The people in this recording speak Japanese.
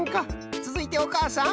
つづいておかあさん。